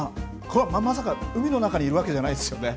まさか、海の中にいるわけじゃないですよね？